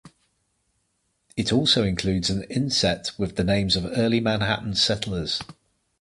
It also includes an inset with the names of early Manhattan settlers.